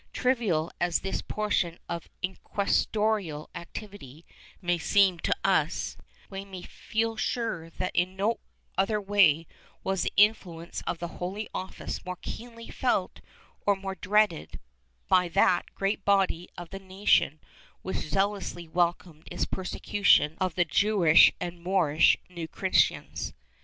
Trivial as this portion of inquisitorial activity may seem to us, we may feel sure that in no other way was the influence of the Holy Office more keenly felt or more dreaded by that great body of the nation which zealously welcomed its persecution of the Jewish and Moorish New Christians.